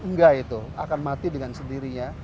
enggak itu akan mati dengan sendirinya